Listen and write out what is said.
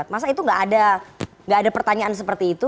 masa itu gak ada pertanyaan seperti itu